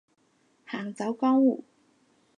行走江湖